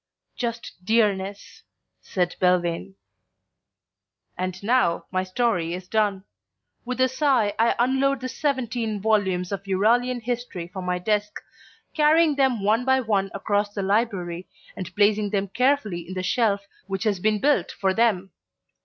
"Just dearness," said Belvane. And now my story is done. With a sigh I unload the seventeen volumes of Euralian History from my desk, carrying them one by one across the library and placing them carefully in the shelf which has been built for them.